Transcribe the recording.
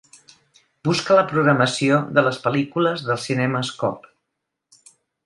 Busca la programació de les pel·lícules dels cinemes Cobb.